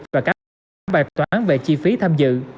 và các bài toán về chi phí tham dự